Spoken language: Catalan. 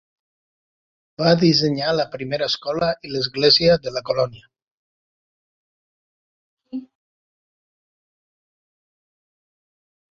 Va dissenyar la primera escola i l'església de la colònia.